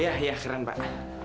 iya iya keren pak